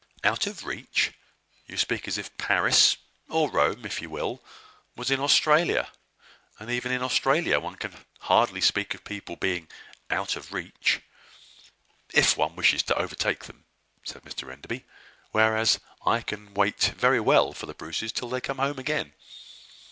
"Out of reach! You speak as if Paris, or Rome, if you will, was in Australia. And even in Australia one can hardly speak of people being out of reach." "If one wishes to overtake them," said Mr Enderby: "whereas, I can wait very well for the Bruces till they come home again.